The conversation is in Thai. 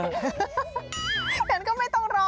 เห็นก็ไม่ต้องรอ